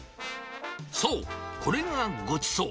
そう、これがごちそう。